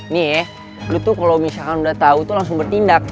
nih lo tuh kalo misalkan udah tau tuh langsung bertindak